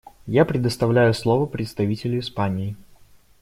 Я предоставляю слово представителю Испании.